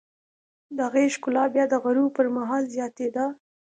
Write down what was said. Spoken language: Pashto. د هغې ښکلا بیا د غروب پر مهال زیاتېده.